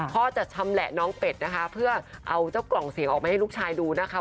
พ่อจะชำแหละน้องเป็ดนะคะเพื่อเอาเจ้ากล่องเสียงออกมาให้ลูกชายดูนะคะ